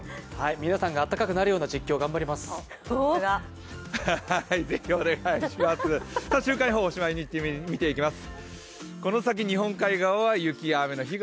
皆さんが暖かくなるような実況頑張ります。